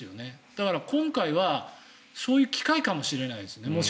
だから、今回はそういう機会かもしれないですね